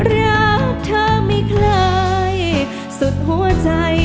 รักเธอไม่คล้ายสุดหัวใจ